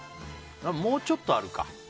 もうちょっとあるか。